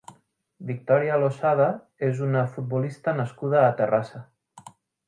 Victoria Losada és una futbolista nascuda a Terrassa.